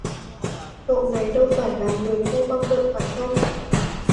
Cậu này đâu phải là người cô mong đợi phải không